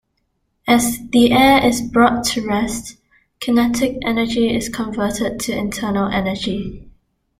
As the air is brought to rest, kinetic energy is converted to internal energy.